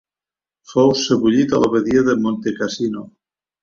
Fou sebollit a l'abadia de Montecassino.